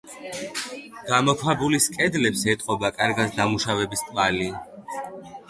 გამოქვაბულის კედლებს ეტყობა კარგად დამუშავების კვალი.